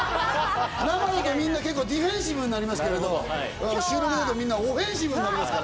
生だとみんな結構ディフェンシブになりますけど収録だとみんなオフェンシブになりますから。